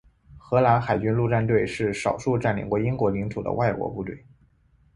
荷兰海军陆战队是少数占领过英国领土的外国部队。